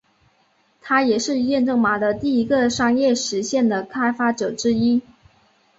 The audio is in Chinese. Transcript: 他也是验证码的第一个商业实现的开发者之一。